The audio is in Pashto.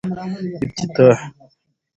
افتتاح